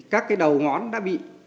các cái đầu ngón đã bị